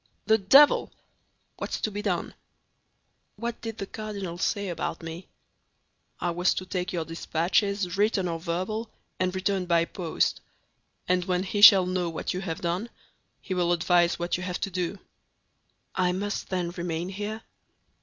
"The devil! What's to be done?" "What did the cardinal say about me?" "I was to take your dispatches, written or verbal, and return by post; and when he shall know what you have done, he will advise what you have to do." "I must, then, remain here?"